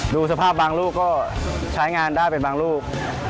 ดูสภาพบางลูกก็ใช้งานได้เป็นบางลูก